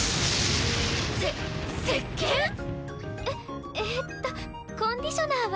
せせっけん⁉ええっとコンディショナーは？